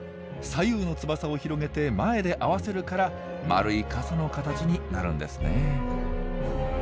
左右の翼を広げて前で合わせるから丸い傘の形になるんですね。